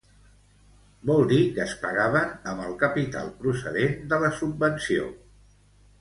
Vol dir que es pagaven amb el capital procedent de la subvenció.